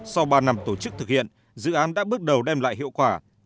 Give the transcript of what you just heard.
sau ba năm tổ chức thực hiện dự án đã bước đầu đem lại hiệu quả